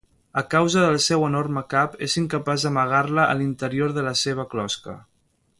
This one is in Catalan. A causa del seu enorme cap, és incapaç d'amagar-la a l'interior de la seva closca.